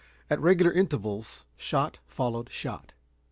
At regular intervals shot followed shot.